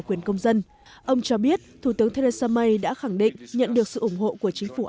quyền công dân ông cho biết thủ tướng theresa may đã khẳng định nhận được sự ủng hộ của chính phủ